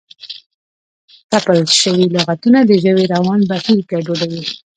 تپل شوي لغتونه د ژبې روان بهیر ګډوډوي.